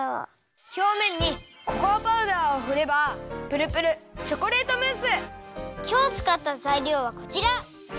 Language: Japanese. ひょうめんにココアパウダーをふればきょうつかったざいりょうはこちら。